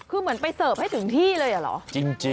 คือเหมือนไปเสิร์ฟให้ถึงที่เลยเหรอจริง